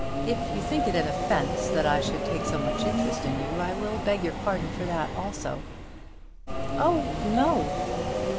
If you think it an offence that I should take so much interest in you, I will beg your pardon for that also." "Oh, no!"